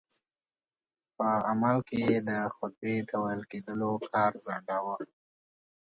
په عمل کې یې د خطبې د ویل کېدلو کار ځنډاوه.